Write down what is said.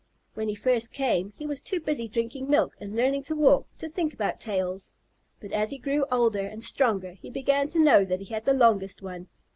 When he first came, he was too busy drinking milk and learning to walk, to think about tails, but as he grew older and stronger he began to know that he had the longest one.